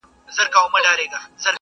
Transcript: عرب وویل غنم کلي ته وړمه٫